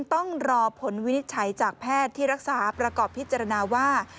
ต้องรอผลวินิจฉัยจากแพทย์ที่รักษาประกอบพิจารณาว่า